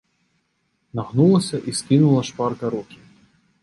Нагнулася і скінула шпарка рукі.